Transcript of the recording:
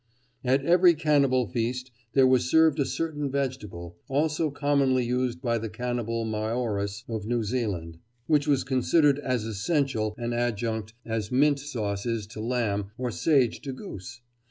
"At every cannibal feast there was served a certain vegetable, also commonly used by the cannibal Maoris of New Zealand, which was considered as essential an adjunct as mint sauce is to lamb or sage to goose.